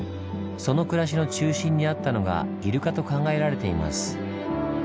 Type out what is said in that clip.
その暮らしの中心にあったのがイルカと考えられています。